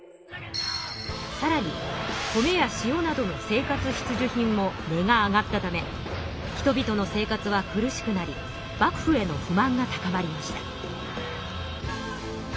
さらに米や塩などの生活必需品も値が上がったため人々の生活は苦しくなり幕府への不満が高まりました。